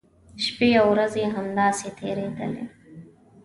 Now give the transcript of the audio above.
شپی او ورځې همداسې تېریدلې.